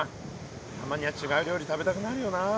たまには違う料理食べたくなるよな。